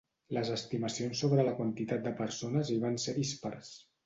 Les estimacions sobre la quantitat de persones hi van ser dispars.